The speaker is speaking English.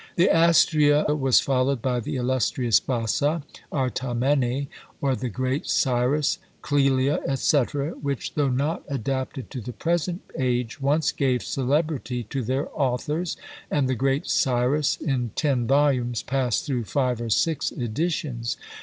The Astrea was followed by the illustrious Bassa, Artamene, or the Great Cyrus, Clelia, &c., which, though not adapted to the present age, once gave celebrity to their authors; and the Great Cyrus, in ten volumes, passed through five or six editions.